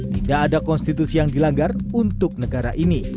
tidak ada konstitusi yang dilanggar untuk negara ini